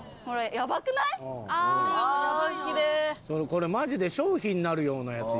これマジで商品になるようなやつやのう。